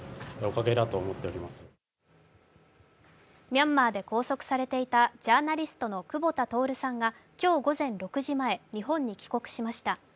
ミャンマーで拘束されていたジャーナリストの久保田徹さんが今日午前６時前、日本に帰国しました。